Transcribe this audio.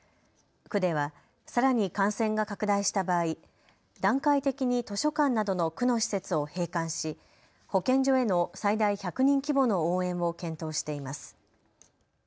区ではさらに感染が拡大した場合、段階的に図書館などの区の施設を閉館し、保健所への最大１００人規模の応援を検討しています。